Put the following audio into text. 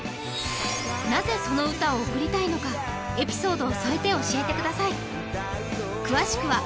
なぜその歌を贈りたいのか、エピソードを添えてお送りください。